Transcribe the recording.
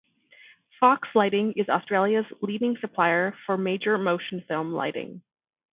Fox Lighting is Australia's leading supplier for major motion film lighting.